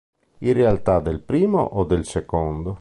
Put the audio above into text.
Irrealtà del primo o del secondo?